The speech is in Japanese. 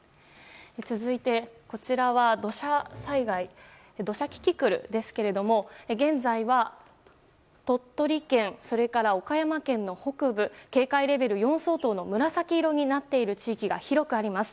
続いて、こちらは土砂キキクルですけれども現在は鳥取県、岡山県の北部警戒レベル４相当の紫色になっている地域が広くあります。